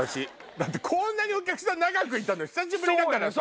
だってこんなにお客さん長くいたの久しぶりだからさ。